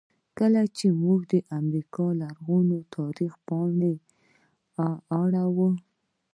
کله چې موږ د افریقا لرغوني تاریخ پاڼې اړوو.